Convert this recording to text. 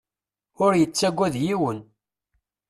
Ur yettagad yiwen.